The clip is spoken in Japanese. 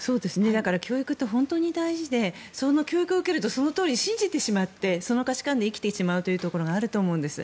教育って本当に大事でその教育を受けるとそのとおり信じてしまってその価値観で生きてしまうというところがあると思うんです。